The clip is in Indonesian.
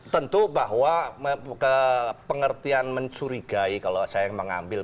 tentu bahwa pengertian mencurigai kalau saya mengambil